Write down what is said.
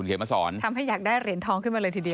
ทำให้อยากได้เหรนทองขึ้นมาเลยทีเดียว